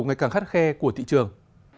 ngày càng khắt khe của thị trường